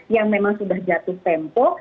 yang memang sudah jatuh tempo